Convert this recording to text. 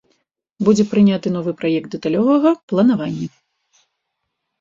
Будзе прыняты новы праект дэталёвага планавання.